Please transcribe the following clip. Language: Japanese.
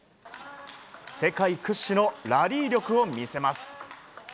世界屈指のラリー力を見せます。